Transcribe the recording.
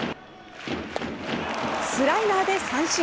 スライダーで三振。